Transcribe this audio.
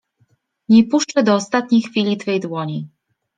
Nie puszczę do ostatniej chwili twej dłoni.